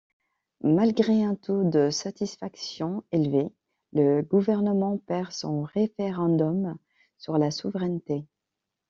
Malgré un taux de satisfaction élevé, le gouvernement perd son référendum sur la souveraineté.